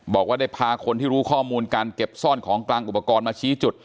บอกว่าได้พาคนที่รู้ข้อมูลการเก็บซ่อนของกลางอุปกรณ์มาชี้จุด